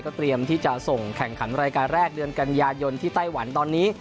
เตรียมที่จะส่งแข่งขันรายการแรกเดือนกันยายนที่ไต้หวันตอนนี้